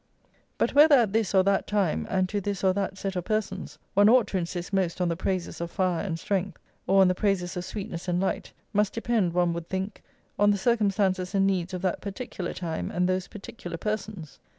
But whether at this or that time, and to this or that set of persons, one ought to insist most on the praises of fire and strength, or on the praises of sweetness and light, must depend, one would think, on the circumstances and needs of that particular time and those particular persons.